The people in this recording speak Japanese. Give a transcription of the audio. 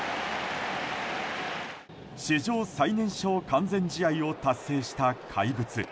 史上最年少完全試合を達成した怪物。